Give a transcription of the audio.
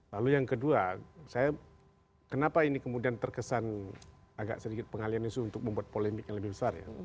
lalu yang kedua saya kenapa ini kemudian terkesan agak sedikit pengalian isu untuk membuat polemik yang lebih besar ya